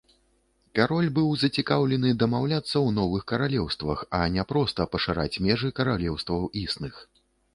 Кароль быў зацікаўлены дамаўляцца ў новых каралеўствах, а не проста пашыраць межы каралеўстваў існых.